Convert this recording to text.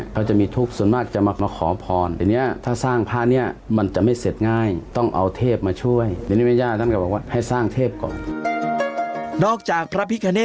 เขาจะมีทุกข์ส่วนมากจะมาขอพร